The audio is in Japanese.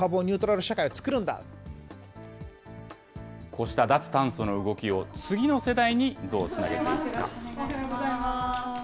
こうした脱炭素の動きを次の世代にどうつなげていくか。